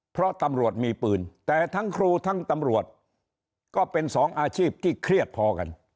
เพราะตำรวจมีปืนแต่ทั้งครูทั้งตำรวจก็เป็นสองอาชีพที่เครียดพอกัน